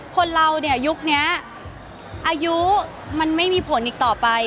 คนเราเนี่ยยุคนี้อายุมันไม่มีผลอีกต่อไป